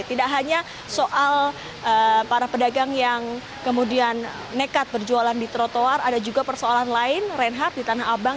tidak hanya soal para pedagang yang kemudian nekat berjualan di trotoar ada juga persoalan lain reinhard di tanah abang